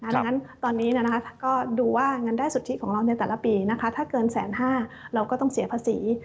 ดังนั้นตอนนี้ก็ดูว่าเงินได้สุทธิของเราในแต่ละปีถ้าเกิน๑๕๐๐เราก็ต้องเสียภาษี